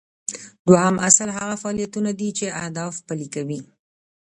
دوهم اصل هغه فعالیتونه دي چې اهداف پلي کوي.